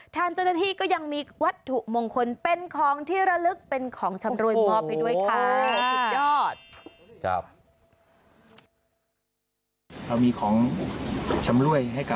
ทางเจ้าหน้าที่ก็ยังมีวัตถุมงคลเป็นของที่ระลึกเป็นของชำรวยมอบให้ด้วยค่ะสุดยอด